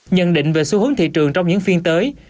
nhận định về xu hướng thị trường trong những phiên tới